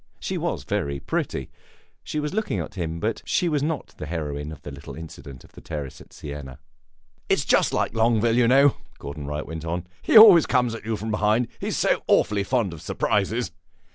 She was very pretty; she was looking at him; but she was not the heroine of the little incident of the terrace at Siena. "It 's just like Longueville, you know," Gordon Wright went on; "he always comes at you from behind; he 's so awfully fond of surprises."